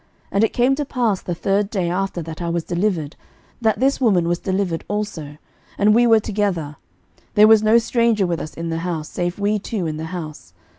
11:003:018 And it came to pass the third day after that I was delivered, that this woman was delivered also: and we were together; there was no stranger with us in the house, save we two in the house.